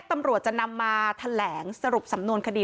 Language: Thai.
ตำรวจจะนำมาแถลงสรุปสำนวนคดี